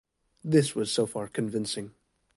This was so far convincing.